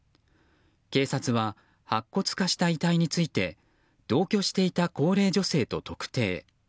警察は、白骨化した遺体について同居していた高齢女性と特定。